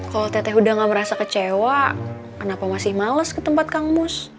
kalau teteh udah gak merasa kecewa kenapa masih males ke tempat kang mus